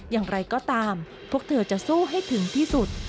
อย่างไรก็ตามพวกเธอจะสู้ให้ถึงที่สุด